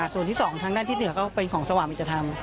ส่วนที่๒ทางด้านที่เหนือก็เป็นของสว่างอิจธรรม